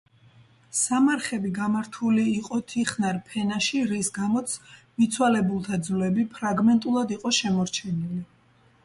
სამარხები გამართული იყო თიხნარ ფენაში, რის გამოც მიცვალებულთა ძვლები ფრაგმენტულად იყო შემორჩენილი.